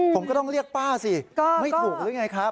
ผมก็ต้องเรียกป้าสิไม่ถูกหรือไงครับ